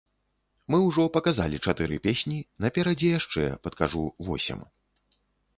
Мы ўжо паказалі чатыры песні, наперадзе яшчэ, падкажу, восем.